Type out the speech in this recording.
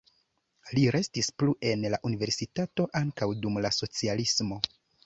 Li restis plu en la universitato ankaŭ dum la socialismo.